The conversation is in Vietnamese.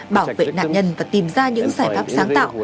bảo vệ nạn nhân và tìm ra những giải pháp sáng tạo